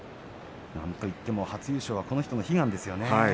なんといっても初優勝がこの人の悲願なんですね。